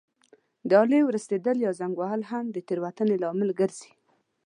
د آلې ورستېدل یا زنګ وهل هم د تېروتنې لامل ګرځي.